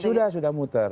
sudah sudah muter